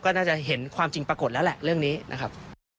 ก็น่าจะเห็นความจริงปรากฏแล้วแหละเรื่องนี้นะครับ